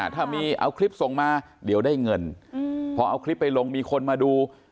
ถ้ามีเอาคลิปส่งมาเดี๋ยวได้เงินพอเอาคลิปไปลงมีคนมาดู